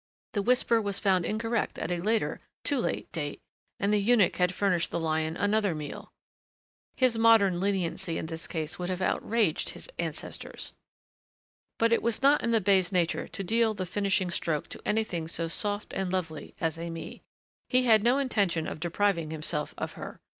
The whisper was found incorrect at a later too late date, and the eunuch had furnished the lion another meal. His modern leniency in this case would have outraged his ancestors. But it was not in the bey's nature to deal the finishing stroke to anything so soft and lovely as Aimée. He had no intention of depriving himself of her.